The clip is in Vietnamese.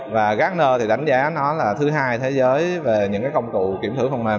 và gartner thì đánh giá nó là thứ hai thế giới về những công cụ kiểm thử phần mềm